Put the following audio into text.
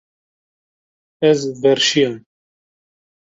Ez verşiyam.